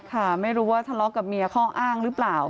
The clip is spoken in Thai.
ค่ะไม่รู้ว่าทะเลาะกับเมียข้ออ้างหรือเปล่า